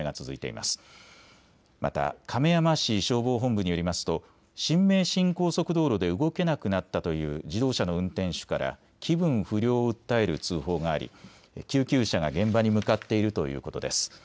また亀山市消防本部によりますと新名神高速道路で動けなくなったという自動車の運転手から気分不良を訴える通報があり救急車が現場に向かっているということです。